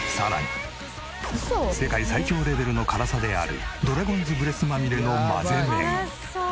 世界最強レベルの辛さであるドラゴンズ・ブレスまみれのまぜ麺。